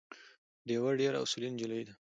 ډیوه ډېره اصولي نجلی ده